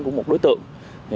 của một đối tượng